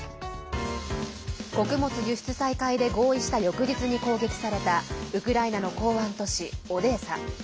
穀物輸出再開で合意した翌日に攻撃されたウクライナの港湾都市オデーサ。